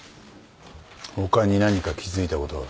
他に何か気付いたことは？